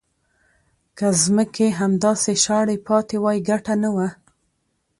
که ځمکې همداسې شاړې پاتې وای ګټه نه وه.